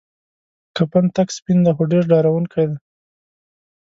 کفن تک سپین دی خو ډیر ډارونکی دی.